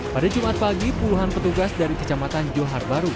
pada jumat pagi puluhan petugas dari kecamatan johar baru